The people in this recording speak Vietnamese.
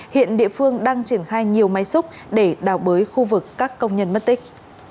hiện địa phương đang triển khai nhiều máy xúc để đào bới khu vực các công nhân mất tích